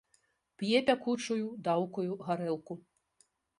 П'е пякучую, даўкую гарэлку.